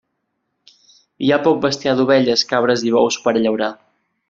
Hi ha poc bestiar d'ovelles, cabres i bous, per a llaurar.